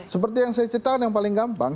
seperti yang saya ceritakan yang paling gampang